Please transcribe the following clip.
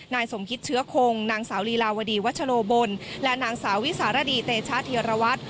นายสมคิตเชื้อคงนางสาวลีลาวดีวัชโลบลและนางสาววิสารดีเตชะธีรวัตร